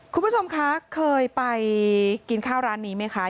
คุณผู้ชมคะเคยไปกินข้าวร้านนี้ไหมคะ